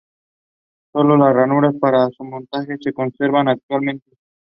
Solo las ranuras para su montaje se conservan actualmente.